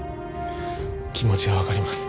気持ちはわかります。